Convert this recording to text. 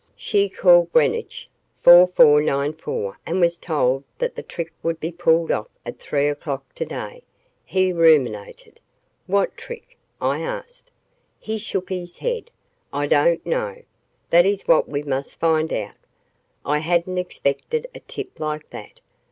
"She called Greenwich 4494 and was told that the trick would be pulled off at three o'clock today," he ruminated. "What trick?" I asked. He shook his head. "I don't know. That is what we must find out. I hadn't expected a tip like that.